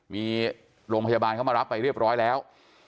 มีโรงพยาบาลเข้ามารับไปเรียบร้อยแล้ว